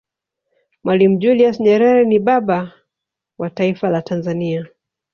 mwalimu julius nyerere ni baba was taifa la tanzania